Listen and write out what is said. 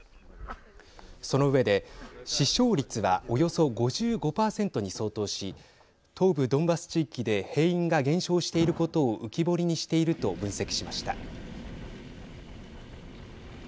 その上で死傷率は、およそ５５％に相当し東部ドンバス地域で兵員が減少していることを浮き彫りにしていると分析しました。